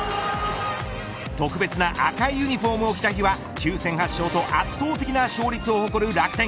特別な赤いユニホームを着た日は９戦８勝と圧倒的な勝率を誇る楽天。